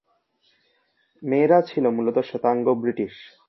মেয়েরা ছিল মূলত শ্বেতাঙ্গ ব্রিটিশ।